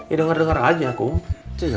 ya denger denger aja kum